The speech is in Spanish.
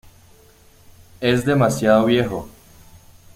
Es demasiado viejo.